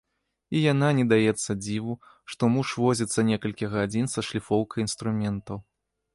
І яна не даецца дзіву, што муж возіцца некалькі гадзін са шліфоўкай інструментаў.